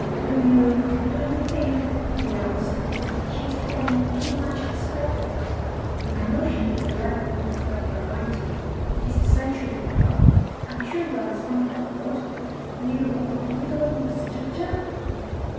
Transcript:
"Do you do you think," he asked, "she is having too much excitement? I know she needs a life of constant variety; it is essential to her. I'm sure you understand that, Maud? You you don't misjudge her?"